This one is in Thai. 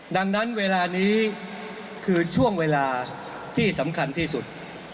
ดังนั้นเวลานี้คือช่วงเวลาที่สำคัญที่สุด